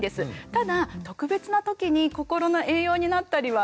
ただ特別な時に心の栄養になったりはしますよね。